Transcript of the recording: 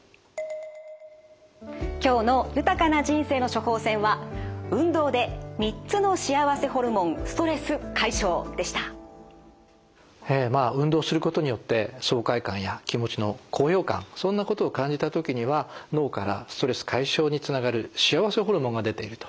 今日の「豊かな人生の処方せん」はまあ運動することによって爽快感や気持ちの高揚感そんなことを感じた時には脳からストレス解消につながる幸せホルモンが出ていると。